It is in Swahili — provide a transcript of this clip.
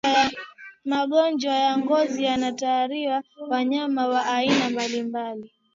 Magonjwa ya ngozi yanawaathiri wanyama wa aina mbalimbali